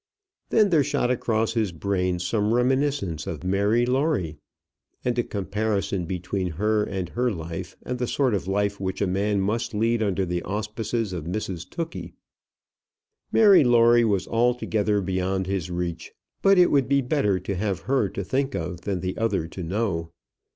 Then there shot across his brain some reminiscence of Mary Lawrie, and a comparison between her and her life and the sort of life which a man must lead under the auspices of Mrs Tookey. Mary Lawrie was altogether beyond his reach; but it would be better to have her to think of than the other to know.